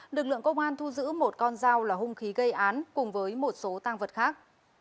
lực lượng công an thu giữ một con dao là hung khí gây án cùng với một số tăng vật khác